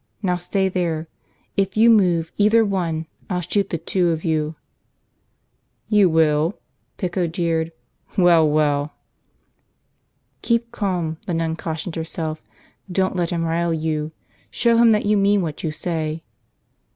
Now stay there. If you move, either one, I'll shoot the two of you." "You will?" Pico jeered. "Well, well!" Keep calm, the nun cautioned herself, don't let him rile you. Show him that you mean what you say.